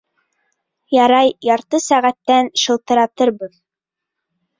Ярай, ярты сәғәттән шылтыратырбыҙ.